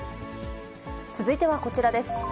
続いてはこちらです。